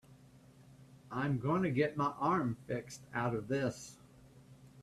I'm gonna get my arm fixed out of this.